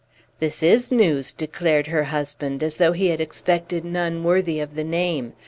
"This is news!" declared her husband, as though he had expected none worthy of the name.